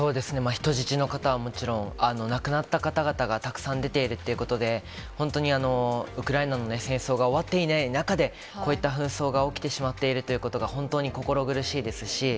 人質の方はもちろん、亡くなった方々がたくさん出ているっていうことで、本当にウクライナの戦争が終わっていない中で、こういった紛争が起きてしまっているということが、本当に心苦しいですし。